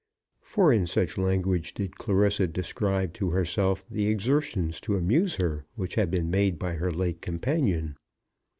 For in such language did Clarissa describe to herself the exertions to amuse her which had been made by her late companion.